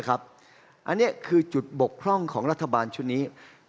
อันนี้คือจุดกลบคร่องของรัฐบาลชุดนิธรรม